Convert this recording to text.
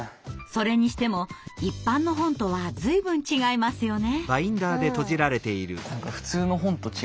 それにしても一般の本とは随分違いますよね。